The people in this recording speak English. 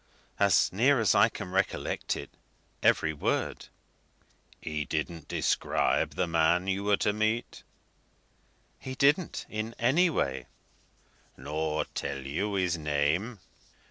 "As near as I can recollect it, every word." "He didn't describe the man you were to meet?" "He didn't in any way." "Nor tell you his name?"